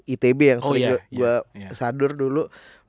itb yang sering gue sadur dulu